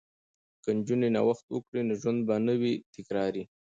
که نجونې نوښت وکړي نو ژوند به نه وي تکراري.